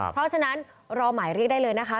เพราะฉะนั้นรอหมายเรียกได้เลยนะคะ